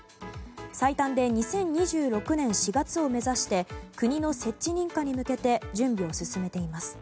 最短で２０２６年４月を目指して国の設置認可に向けて準備を進めています。